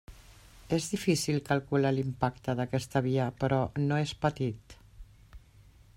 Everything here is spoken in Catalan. És difícil calcular l'impacte d'aquesta via, però no és petit.